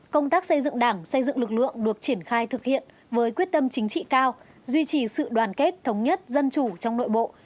công tác xây dựng đảng xây dựng lực lượng được triển khai thực hiện với quyết tâm chính trị cao duy trì sự đoàn kết thống nhất dân chủ trong nội bộ